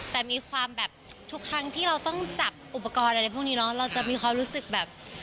แต่มีความแบบทุกครั้งที่เราต้องจับอุปกรณ์อะไรพวกนี้เนอะเราจะมีความรู้สึกแบบ